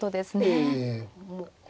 ええ。